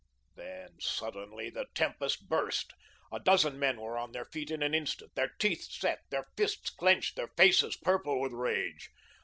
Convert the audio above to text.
Then suddenly the tempest burst. A dozen men were on their feet in an instant, their teeth set, their fists clenched, their faces purple with rage.